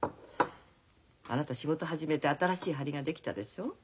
あなた仕事始めて新しい張りが出来たでしょ？